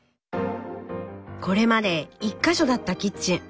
これまで１か所だったキッチン。